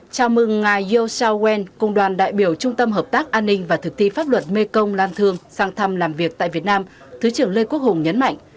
chào mừng ngài yo sao wen cùng đoàn đại biểu trung tâm hợp tác an ninh và thực thi pháp luật mê công lan thương sang thăm làm việc tại việt nam thứ trưởng lê quốc hùng nhấn mạnh